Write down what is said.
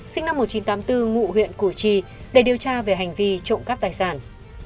sinh năm một nghìn chín trăm tám mươi bốn ngụ huyện củ chi để điều tra về hành vi trộm cắp tài sản